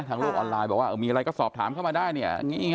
โลกออนไลน์บอกว่ามีอะไรก็สอบถามเข้ามาได้เนี่ย